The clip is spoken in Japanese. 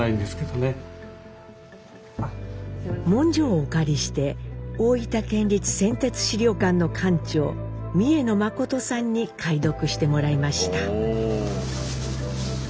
文書をお借りして大分県立先哲史料館の館長三重野誠さんに解読してもらいました。